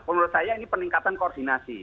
menurut saya ini peningkatan koordinasi